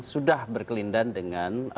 sudah berkelindan dengan